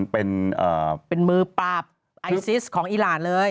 เป็นมือปราบไอซิสของอีหลานเลย